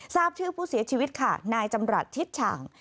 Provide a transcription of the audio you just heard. ทราบชื่อผู้เสียชีวิตค่ะนายจำรัฐทิศฉัง